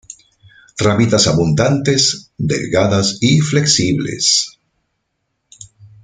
Ramitas abundantes, delgadas y flexibles.